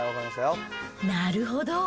なるほど。